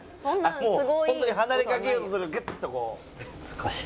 ホントに離れかけようとするとグッとこう。